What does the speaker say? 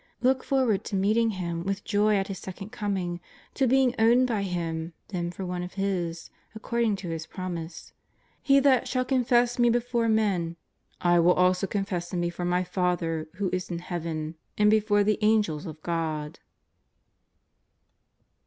Look forward to meeting Him with joy at His Second Coming, to being owned by Him then for one of His, according to His promise :" He that shall confess Me before men, I will also confess him before My Father who is in Heaven and before the Angels of God.''